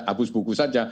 hapus buku saja